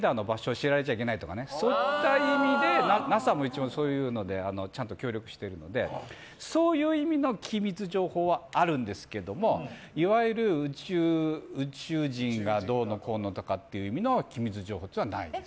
知られちゃいけないとかそういった意味でＮＡＳＡも一応そういうのでちゃんと協力してるのでそういう意味の機密情報はあるんですけれどもいわゆる宇宙人がどうのこうのとかっていう意味の機密情報っていうのはないです。